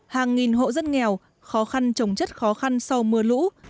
hàng nghìn hộ dân nghèo khó khăn trồng chất khó khăn sau mưa lũ